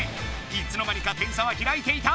いつの間にか点差はひらいていた！